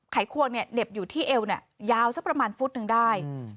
ไขควงเนี่ยเหน็บอยู่ที่เอวเนี่ยยาวสักประมาณฟุตหนึ่งได้